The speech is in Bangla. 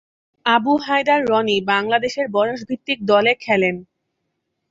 আবু হায়দার রনি বাংলাদেশের বয়সভিত্তিক দলে খেলেন।